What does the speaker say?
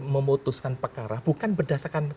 memutuskan perkara bukan berdasarkan